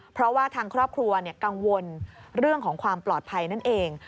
เพราะว่าทางครอบครัวกังวลเรื่องของความปลอดภัยนั่นเอง